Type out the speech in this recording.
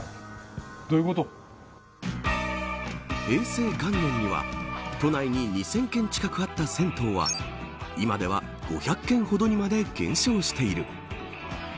平成元年には都内に２０００軒近くあった銭湯は今では５００軒ほどにまで減少している。